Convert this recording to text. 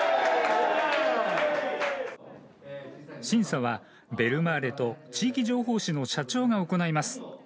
審査はベルマーレと地域情報誌の社長が行います。